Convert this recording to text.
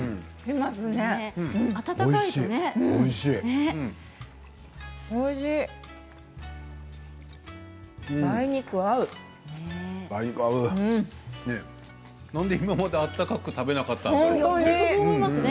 なんで今まで温かいものを食べなかったんだろう？